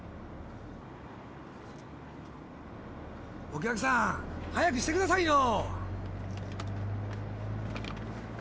・お客さん早くしてくださいよ！